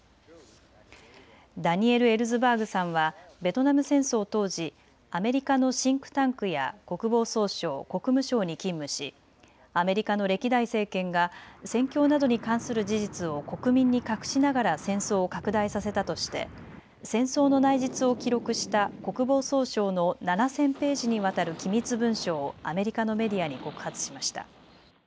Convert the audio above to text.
ダニエル・エルズバーグさんはベトナム戦争当時、アメリカのシンクタンクや国防総省、国務省に勤務しアメリカの歴代政権が戦況などに関する事実を国民に隠しながら戦争を拡大させたとして戦争の内実を記録した国防総省の７０００ページにわたる機密文書をアメリカのメディアに告発しました。